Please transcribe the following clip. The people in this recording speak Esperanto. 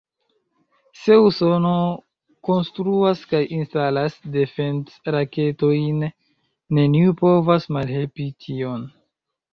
Se Usono konstruas kaj instalas defend-raketojn, neniu povas malhelpi tion.